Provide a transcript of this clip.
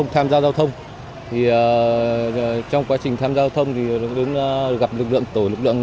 trong quá trình tham gia giao thông thì gặp lực lượng tổ lực lượng